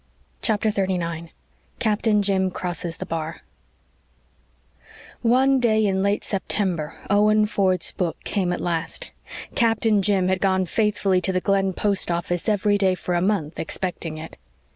CHAPTER 39 CAPTAIN JIM CROSSES THE BAR One day in late September Owen Ford's book came at last. Captain Jim had gone faithfully to the Glen post office every day for a month, expecting it.